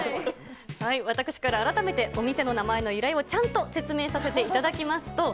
私から改めて、お店の名前の由来をちゃんと説明させていただきますと。